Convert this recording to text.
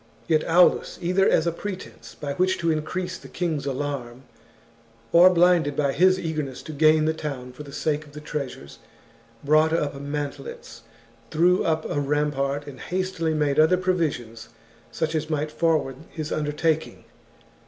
Yet Aulus, either as a pretence by which to increase the king's alarm, or blinded by his eagerness to gain the town for the sake of the treasures, brought up mantlets, threw up a rampart, and hastily made other provisions such as mi^ht forward his undertakincr.